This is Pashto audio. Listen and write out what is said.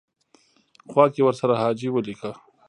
خوا کې ورسره حاجي ولیکه.